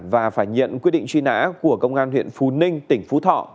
và phải nhận quyết định truy nã của công an huyện phú ninh tỉnh phú thọ